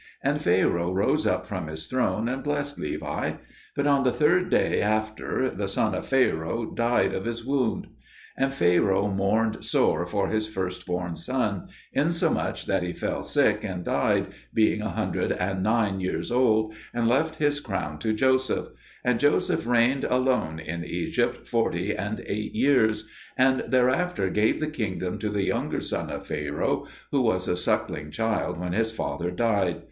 And Pharaoh rose up from his throne and blessed Levi. But on the third day after, the son of Pharaoh died of his wound. And Pharaoh mourned sore for his firstborn son, insomuch that he fell sick and died, being a hundred and nine years old, and left his crown to Joseph; and Joseph reigned alone in Egypt forty and eight years, and thereafter gave the kingdom to the younger son of Pharaoh, who was a sucking child when his father died.